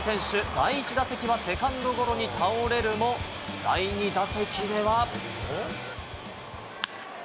第１打席はセカンドゴロに倒れるも、第２打席には。